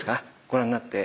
ご覧になって。